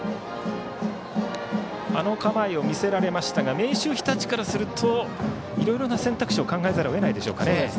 あの構えを見せられましたが明秀日立からするといろいろな選択肢を考えざるを得ないでしょうね。